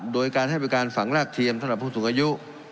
โดยการให้บริการฝังรากเทียมสำหรับผู้สูงอายุ